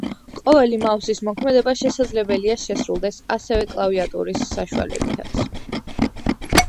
ყოველი მაუსის მოქმედება შესაძლებელია შესრულდეს ასევე კლავიატურის საშუალებითაც.